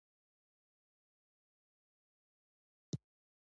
سلیمان غر د طبیعي پدیدو یو رنګ دی.